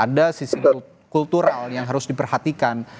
ada sisi kultural yang harus diperhatikan